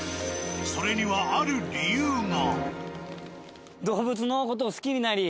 それにはある理由が。